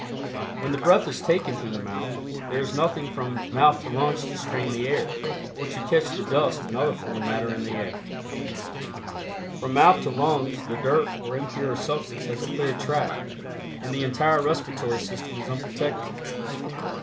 When the breath is taken through the mouth, there is nothing from mouth to lungs to strain the air, or to catch the dust and other foreign matter in the air. From mouth to lungs the dirt or impure substance has a clear track, and the entire respiratory system is unprotected.